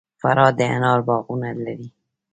فراه د انارو باغونه لري